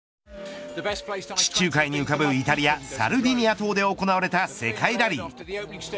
地中海に浮かぶイタリアサルディニア島で行われた世界ラリー。